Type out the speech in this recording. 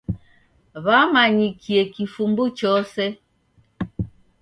W'amanyikie kifumbu chose.